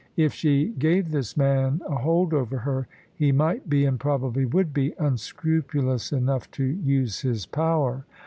If she gave this man a hold over her, he might be, and probably would be, unscrupulous enough to use his power.